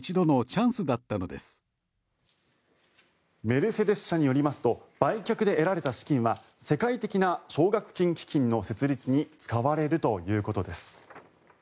メルセデス社によりますと売却で得られた資金は世界的な奨学金基金の設立に使われるということです。